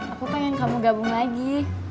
aku pengen kamu gabung lagi